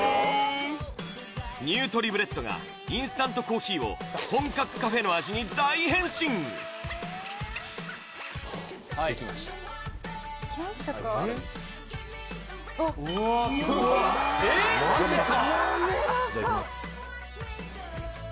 ニュートリブレットがインスタントコーヒーを本格カフェの味に大変身はいできました・わあすごい・マジか・